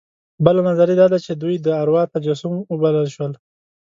بله نظریه دا ده چې دوی د اروا تجسم وبلل شول.